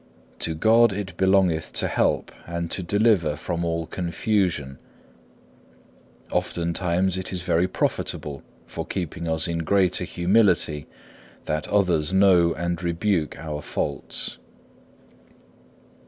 To God it belongeth to help and to deliver from all confusion. Oftentimes it is very profitable for keeping us in greater humility, that others know and rebuke our faults.